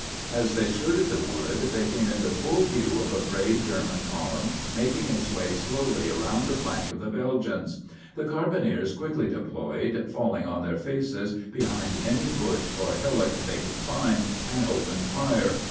As they skirted the wood they came into full view of a gray German column making its way slowly around the flank of the Belgians. The carbineers quickly deployed, falling on their faces behind any bush or hillock they could find, and opened fire.